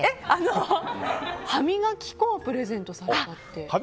歯磨き粉をプレゼントされたと。